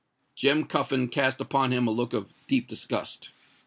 Jem Cuffin cast upon him a look of deep disgust.